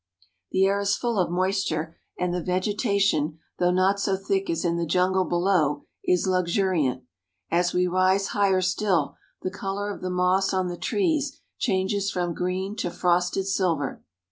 The air is full of moisture, and the vegetation, though not so thick as in the jungle below, is luxuriant. As we rise higher still, the color of the moss on the trees changes from green to frosted silver.